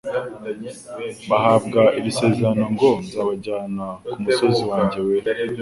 bahabwa iri sezerano ngo : "Nzabajyana ku musozi wanjye wera,